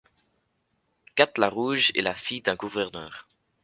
Kat la Rouge est la fille d'un gouverneur.